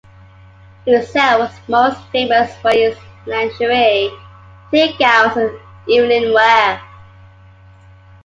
Lucile was most famous for its lingerie, tea gowns, and evening wear.